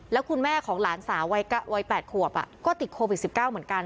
แล้วคุณแม่ของหลานสาววัย๘ขวบก็ติดโควิด๑๙เหมือนกัน